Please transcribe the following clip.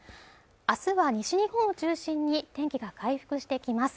明日は西日本を中心に天気が回復してきます